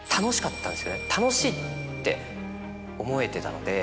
楽しいって思えてたので。